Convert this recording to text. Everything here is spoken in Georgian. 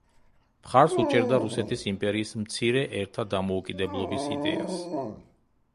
მხარს უჭერდა რუსეთის იმპერიის მცირე ერთა დამოუკიდებლობის იდეას.